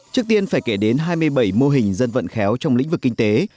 trước tiên phải kể đến hai mươi bảy mô hình dân vận khéo trong lĩnh vực kinh tế